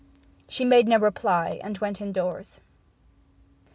She made no reply, and went indoors.